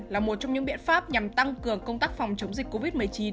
là một trong những biện pháp nhằm tăng cường công tác phòng chống dịch covid một mươi chín